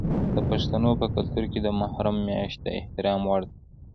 د پښتنو په کلتور کې د محرم میاشت د احترام وړ ده.